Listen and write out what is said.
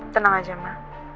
tenang aja ma